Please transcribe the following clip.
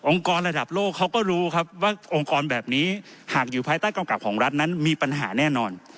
กรระดับโลกเขาก็รู้ครับว่าองค์กรแบบนี้หากอยู่ภายใต้กำกับของรัฐนั้นมีปัญหาแน่นอน